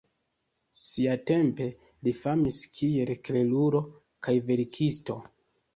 Siatempe li famis kiel klerulo kaj verkisto.